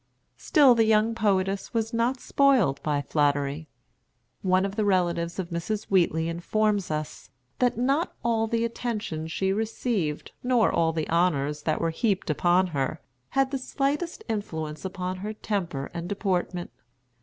Still the young poetess was not spoiled by flattery. One of the relatives of Mrs. Wheatley informs us, that "not all the attention she received, nor all the honors that were heaped upon her, had the slightest influence upon her temper and deportment.